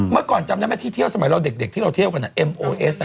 เมื่อก่อนจำได้ไหมที่เที่ยวสมัยเราเด็กที่เราเที่ยวกันเอ็มโอเอส